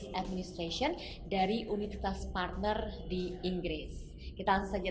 saya merasa saya memiliki keuntungan yang baik saat belajar